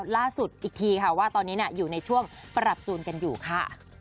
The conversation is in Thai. ล่าสุดอีกทีค่ะว่าตอนนี้อยู่ในช่วงปรับจูนกันอยู่ค่ะ